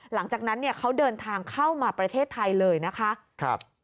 หลังจากนั้นเนี่ยเขาเดินทางเข้ามาประเทศไทยเลยนะคะ